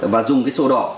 và dùng cái sổ đỏ